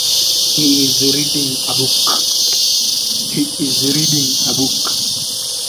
It's become a problem.